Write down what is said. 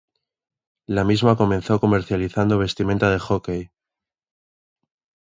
La misma comenzó comercializando vestimenta de hockey.